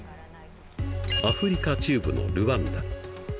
アフリカ中部のルワンダ。